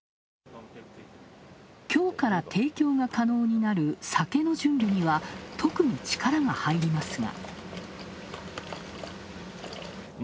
きょうから提供が可能になる酒の準備には特に力が入りますが。